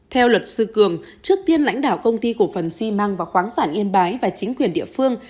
theo luật sư cường trước tiên lãnh đạo công ty cổ phần xi măng và khoáng sản yên bái và chính quyền địa phương